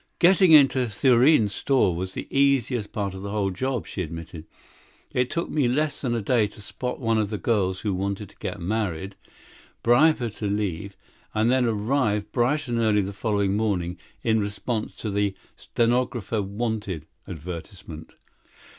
"Getting into Thurene's store was the easiest part of the whole job," she admitted. "It took me less than a day to spot one of the girls who wanted to get married, bribe her to leave, and then arrive bright and early the following morning, in response to the 'stenographer wanted' advertisement."